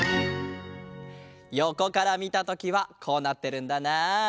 よこからみたときはこうなってるんだなあ。